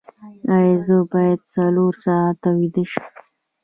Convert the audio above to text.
ایا زه باید څلور ساعته ویده شم؟